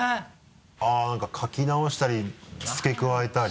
あぁ何か書き直したり付け加えたり。